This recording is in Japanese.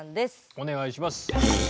お願いします。